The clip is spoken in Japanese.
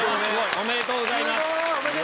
おめでとうございます。